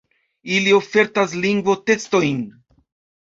Ili ofertas lingvo-testojn.